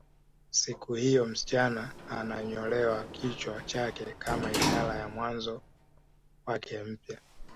Siku hiyo msichana ananyolewa kichwa chake kama ishara ya mwanzo wake mpya